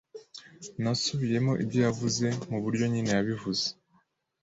Nasubiyemo ibyo yavuze, muburyo nyine yabivuze.